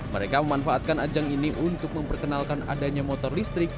mereka memanfaatkan ajang ini untuk memperkenalkan adanya motor listrik